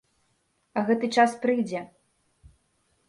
А гэты час прыйдзе!